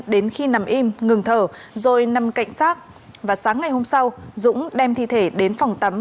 đến khi nằm im ngừng thở rồi nằm cạnh sát và sáng ngày hôm sau dũng đem thi thể đến phòng tắm